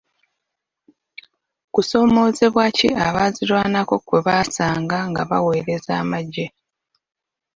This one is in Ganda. Kusoomoozebwa ki abaazirwanako kwe bwasanga nga baweereza amagye?